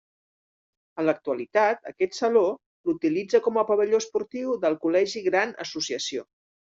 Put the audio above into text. En l'actualitat aquest saló l'utilitza com a pavelló esportiu del col·legi Gran Associació.